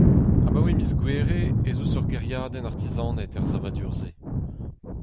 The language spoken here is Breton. Abaoe miz Gouere ez eus ur gêriadenn artizaned er savadur-se.